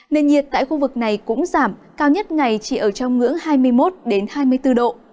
nền nhiệt tại khu vực này cũng giảm cao nhất ngày chỉ ở trong ngưỡng hai mươi một hai mươi bốn độ